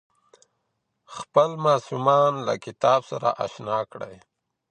خپل ماسومان له کتاب سره اشنا کړئ.